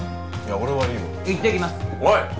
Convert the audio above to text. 俺はいいよ行ってきますおい！